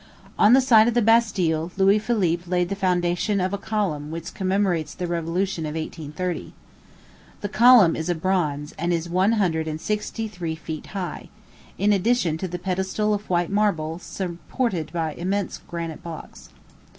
On the site of the Bastile, Louis Philippe laid the foundation of a column which commemorates the revolution of 1830. This column is of bronze, and is one hundred and sixty three feet high, in addition to the pedestal of white marble, supported by immense granite blocks.